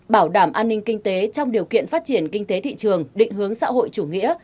bảo đảm an ninh kinh tế trong điều kiện phát triển kinh tế thị trường định hướng xã hội chủ nghĩa